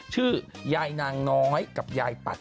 ชื่อยายนางน้อยกับยายปัด